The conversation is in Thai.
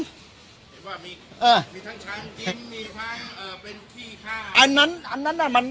ว่ามีเออมีทั้งชั้นกินมีทั้งเอ่อเป็นที่ฆ่าอันนั้นอันนั้นน่ะมัน